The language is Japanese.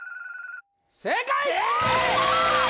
正解！